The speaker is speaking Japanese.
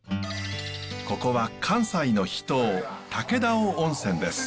ここは関西の秘湯武田尾温泉です。